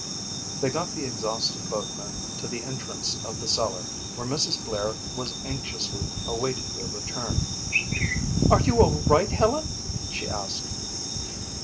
They got the exhausted boatman to the entrance of the cellar, where Mrs. Blair was anxiously awaiting their return. "Are you all right, Helen?" she asked.